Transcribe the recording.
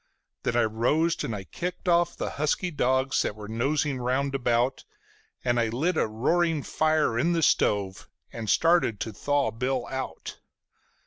Then I rose and I kicked off the husky dogs that were nosing round about, And I lit a roaring fire in the stove, and I started to thaw Bill out.